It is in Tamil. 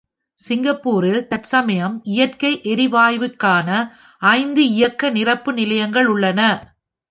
சிங்கப்பூரில் தற்சமயம் இயற்கை எரிவாயுவிற்கான ஐந்து இயக்க நிரப்பு நிலையங்கள் உள்ளன.